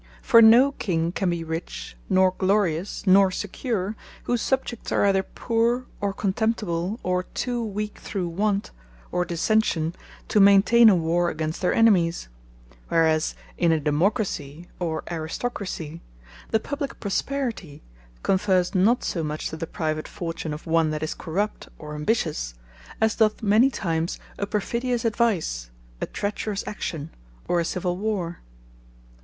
For no King can be rich, nor glorious, nor secure; whose Subjects are either poore, or contemptible, or too weak through want, or dissention, to maintain a war against their enemies: Whereas in a Democracy, or Aristocracy, the publique prosperity conferres not so much to the private fortune of one that is corrupt, or ambitious, as doth many times a perfidious advice, a treacherous action, or a Civill warre.